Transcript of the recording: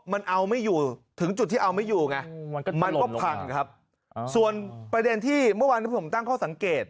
มันเอาไม่อยู่ถึงจุดที่เอาไม่อยู่ไงมันก็พังครับส่วนประเด็นที่เมื่อวานที่ผมตั้งข้อสังเกต